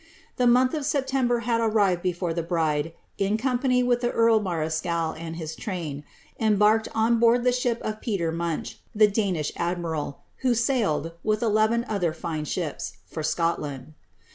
The month of Srpiemkt had arrived before the bride, in company with the earl man sehal and hi; train, embarked on board the ship of Peter Munch, the Danish adaiiral. who sailed, with eleven other 6ne ships, for Scotliiiid.